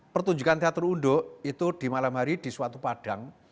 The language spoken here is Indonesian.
pertunjukan teater unduk itu di malam hari di suatu padang